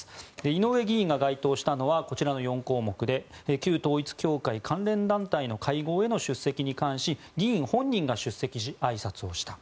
井上議員が該当したのはこちらの４項目で旧統一教会関連団体の会合への出席に関し議員本人が出席しあいさつをした。